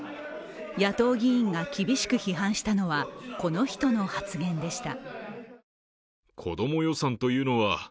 野党議員が厳しく批判したのはこの人の発言でした。